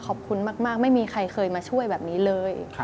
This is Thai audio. ขอบคุณมากไม่มีใครเคยมาช่วยแบบนี้เลย